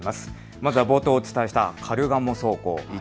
まずは冒頭お伝えしたカルガモ走行。